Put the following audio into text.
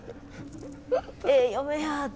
「ええ嫁や」って。